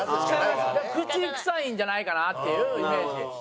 口臭いんじゃないかな？っていうイメージ。